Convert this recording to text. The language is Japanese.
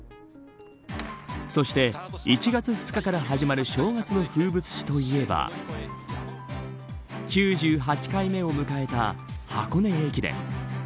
そして、１月２日から始まる正月の風物詩といえば９８回目を迎えた箱根駅伝。